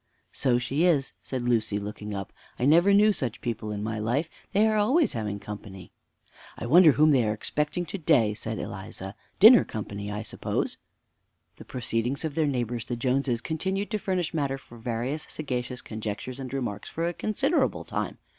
"So she is," said Lucy, looking up: "I never knew such people in my life! they are always having company." "I wonder whom they are expecting to day," said Eliza; "dinner company, I suppose." The proceedings of their neighbors, the Joneses, continued to furnish matter for various sagacious conjectures and remarks for a considerable time.